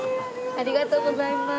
ありがとうございます。